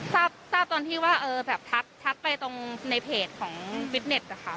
ทราบตอนที่ว่าแบบทักไปตรงในเพจของฟิตเน็ตนะคะ